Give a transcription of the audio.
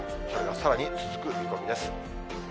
それがさらに続く見込みです。